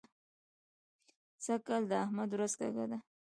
سږ کال د احمد ورځ کږه ده.